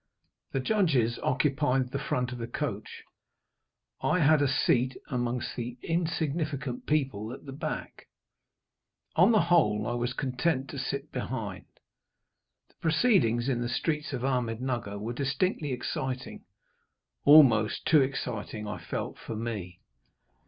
The judges occupied the front of the coach. I had a seat among the insignificant people at the back. On the whole, I was content to sit behind. The proceedings, in the streets of Ahmednugger, were distinctly exciting almost too exciting, I felt, for me.